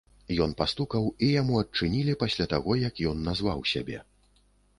Ён пастукаў, і яму адчынілі пасля таго, як ён назваў сябе.